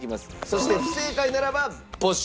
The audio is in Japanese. そして不正解ならば没収。